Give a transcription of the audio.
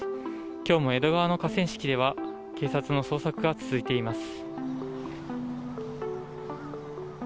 きょうも江戸川の河川敷では、警察の捜索が続いています。